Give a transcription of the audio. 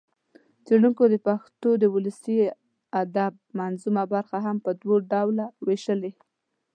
څېړنکو د پښتو د ولسي ادب منظومه برخه هم په دوه ډوله وېشلې